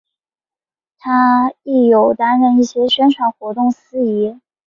她亦有担任一些宣传活动司仪。